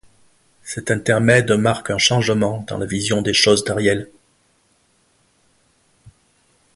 Cet intermède marques un changement dans la vison des choses d'Ariel.